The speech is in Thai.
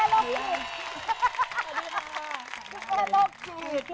คุณแม่โล้งหยุด